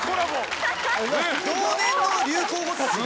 同年の流行語たちが。